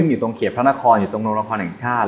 อยู่ตรงเขตพระนครอยู่ตรงโรงละครแห่งชาติ